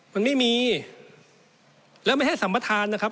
มันไม่มีแล้วไม่ให้สัมประธานนะครับ